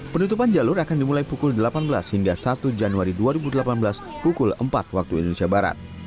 penutupan jalur akan dimulai pukul delapan belas hingga satu januari dua ribu delapan belas pukul empat waktu indonesia barat